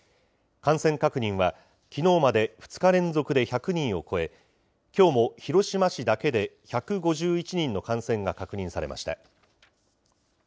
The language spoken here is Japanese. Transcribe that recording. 感染確認はきのうまで２日連続で１００人を超え、きょうも広島市だけで１５１人の感染が確認されました。